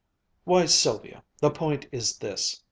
"Why, Sylvia, the point is this.